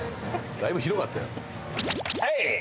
だいぶ広かったよ。